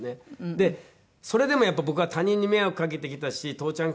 でそれでもやっぱり僕は他人に迷惑かけてきたし父ちゃん